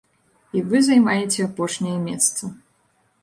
І вы займаеце апошняе месца.